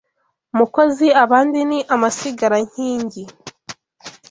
Mukozi abandi ni amasigara nkingi